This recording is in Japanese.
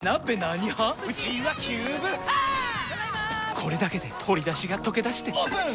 これだけで鶏だしがとけだしてオープン！